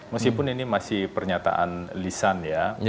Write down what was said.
meskipun ini masih pernyataan lisan ya